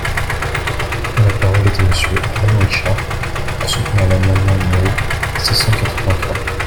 La parole est à Monsieur Arnaud Richard, pour soutenir l’amendement numéro six cent quatre-vingt-trois.